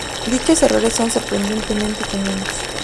Dichos errores son sorprendentemente comunes.